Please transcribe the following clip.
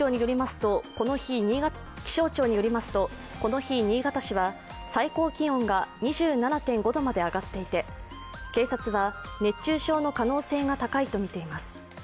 気象庁によりますと、この日、新潟市は最高気温が２７．５度まで上がっていて、警察は、熱中症の可能性が高いとみています。